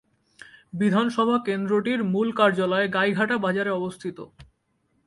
বিধানসভা কেন্দ্রটির মূল কার্যালয় গাইঘাটা বাজারে অবস্থিত।